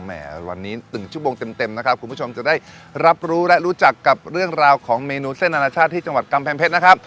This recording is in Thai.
แห่วันนี้๑ชั่วโมงเต็มนะครับคุณผู้ชมจะได้รับรู้และรู้จักกับเรื่องราวของเมนูเส้นอนาชาติที่จังหวัดกำแพงเพชรนะครับ